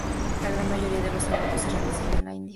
La gran mayoría de los abortos se realizan en la India.